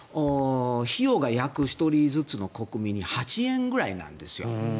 費用が、１人ずつの国民に約８円ぐらいなんですよ。